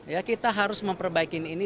ya kita harus memperbaiki ini